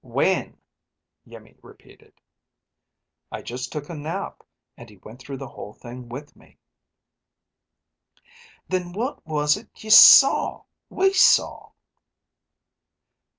"When?" Iimmi repeated. "I just took a nap, and he went through the whole thing with me." "Then what was it you saw, we saw?"